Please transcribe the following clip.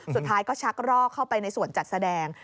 สุดท้ายก็ชักรอกเข้าไปในส่วนจัดแสดง